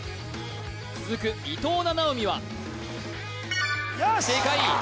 続く伊藤七海はよし！